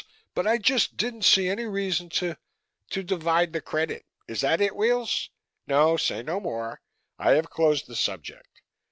But I just didn't see any reason to " "To divide the credit, is that it, Weels? No, say no more; I have closed the subject.